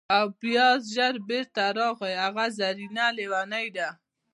او بیا ژر بیرته راغی: هغه زرینه لیونۍ ده!